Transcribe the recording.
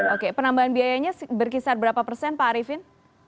oke penambahan biayanya berkisar berapa persen pak arifin